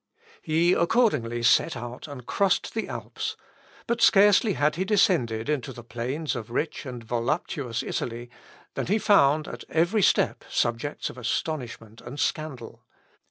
He accordingly set out and crossed the Alps, but scarcely had he descended into the plains of rich and voluptuous Italy, than he found at every step subjects of astonishment and scandal.